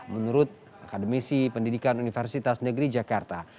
menurut akademisi pendidikan universitas negeri jakarta